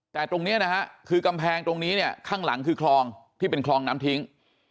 แต่ตรงนี้นะฮะคือกำแพงตรงนี้เนี่ยข้างหลังคือคลองที่เป็นคลองน้ำทิ้ง